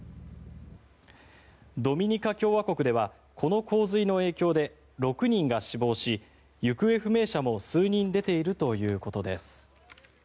ドミニカ共和国ではこの洪水の影響で６人が死亡し、行方不明者も数人出ているということです。